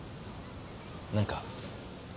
何か。